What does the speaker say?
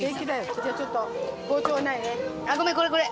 じゃあちょっと包丁がないね。